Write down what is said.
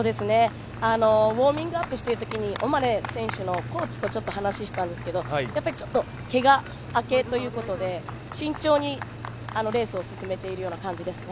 ウォーミングアップしているときに、オマレ選手のコーチとちょっと話をしたんですけど、けが明けということで慎重にレースを進めているような感じですね。